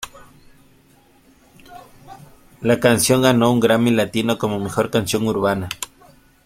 La canción ganó un Grammy Latino como "Mejor Canción Urbana".